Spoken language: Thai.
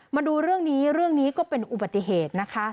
มาดูเรื่องนี้เรื่องนี้ก็เป็นอุบัติเหตุนะคะ